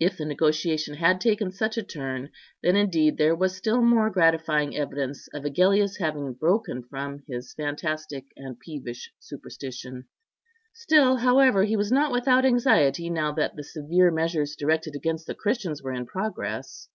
If the negotiation had taken such a turn, then indeed there was still more gratifying evidence of Agellius having broken from his fantastic and peevish superstition. Still, however, he was not without anxiety, now that the severe measures directed against the Christians were in progress.